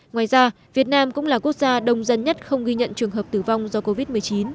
ngoài ra việt nam cũng là quốc gia đông dân nhất không ghi nhận trường hợp tử vong do covid một mươi chín